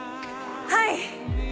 はい！